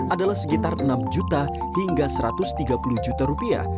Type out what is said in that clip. adalah sekitar enam juta hingga satu ratus tiga puluh juta rupiah